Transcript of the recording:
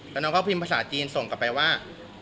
แล้วน้องก็พิมพ์ภาษาจีนส่งกลับไปว่า